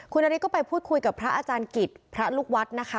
คุณนาริสก็ไปพูดคุยกับพระอาจารย์กิจพระลูกวัดนะคะ